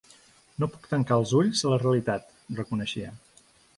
No puc tancar els ulls a la realitat, reconeixia.